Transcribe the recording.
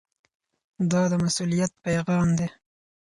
دا د مسؤلیت پیغام دی.